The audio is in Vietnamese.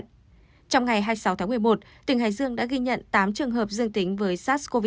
trong ngày hai mươi sáu tháng một mươi một tỉnh hải dương đã ghi nhận tám trường hợp dương tính với sars cov hai